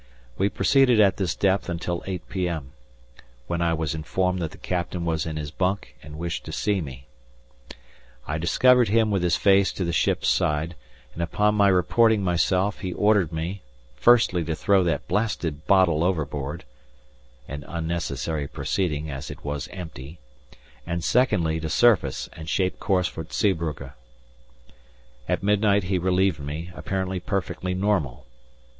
We proceeded at this depth until 8 p.m., when I was informed that the Captain was in his bunk and wished to see me. I discovered him with his face to the ship's side, and upon my reporting myself he ordered me, firstly to throw that blasted bottle overboard (an unnecessary proceeding, as it was empty), and secondly to surface and shape course for Zeebrugge. At midnight he relieved me, apparently perfectly normal.